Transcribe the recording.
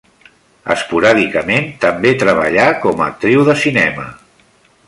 Esporàdicament, també treballà com a actriu de cinema.